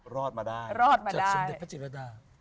รอดมาได้ประจิตรดา